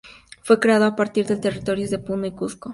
Fue creado el a partir de territorios de Puno y Cuzco.